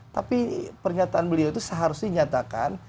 tapi pernyataan beliau itu seharusnya dinyatakan